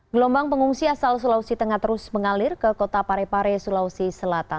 gelombang pengungsi asal sulawesi tengah terus mengalir ke kota parepare sulawesi selatan